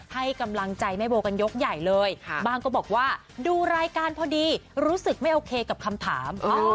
ให้กำลังใจแม่โบกันยกใหญ่เลยบ้างก็บอกว่าดูรายการพอดีรู้สึกไม่โอเคกับคำถาม